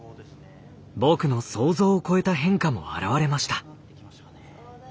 僕の想像を超えた変化も現れました。